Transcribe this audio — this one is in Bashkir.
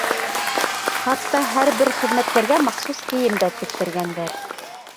Хатта һәр бер хеҙмәткәргә махсус кейем дә тектергәндәр.